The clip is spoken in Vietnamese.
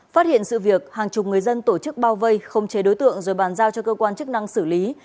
phát hiện sự việc hàng chục người dân tổ chức bao vây không chế đối tượng rồi bàn giao cho cơ quan chức năng xử lý